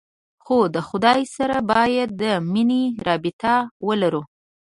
خو د خداى سره بايد د مينې رابطه ولرو.